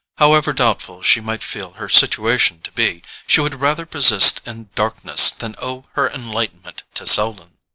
However doubtful she might feel her situation to be, she would rather persist in darkness than owe her enlightenment to Selden.